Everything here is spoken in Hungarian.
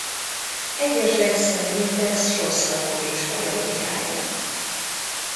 Egyesek szerint ez Sosztakovics paródiája.